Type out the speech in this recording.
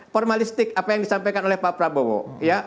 formalistik apa yang disampaikan oleh pak prabowo ya